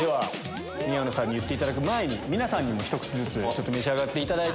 宮野さんに言っていただく前に皆さんにもひと口ずつ召し上がっていただいて。